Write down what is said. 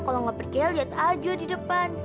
kalau nggak percaya lihat aja di depan